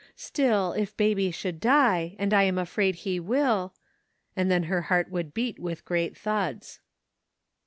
Still, if Baby should die, and I am afraid he will "— And then her heart would beat with great thuds.